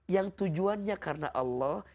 yang tujuannya karena allah